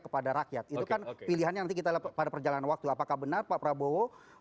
kepada rakyat itu kan pilihannya nanti kita lihat pada perjalanan waktu apakah benar pak prabowo